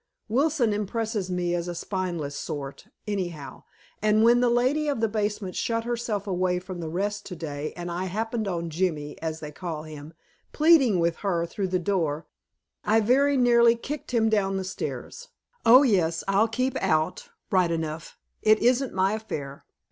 Wilson impresses me as a spineless sort, anyhow, and when the lady of the basement shut herself away from the rest today and I happened on "Jimmy," as they call him, pleading with her through the door, I very nearly kicked him down the stairs. Oh, yes, I'll keep out, right enough; it isn't my affair.